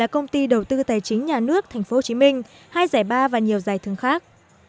công ty đầu tư tài chính nhà nước tp hcm hai giải ba và nhiều giải thương khác